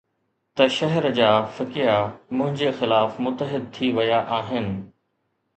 ته شهر جا فقيه منهنجي خلاف متحد ٿي ويا آهن